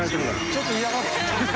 ちょっと嫌がって。